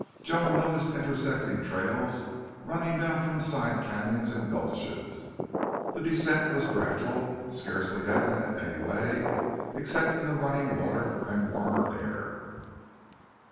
Joan noticed intersecting trails, running down from side canons and gulches. The descent was gradual, and scarcely evident in any way except in the running water and warmer air.